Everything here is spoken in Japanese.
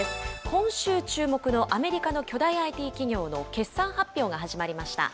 今週注目のアメリカの巨大ＩＴ企業の決算発表が始まりました。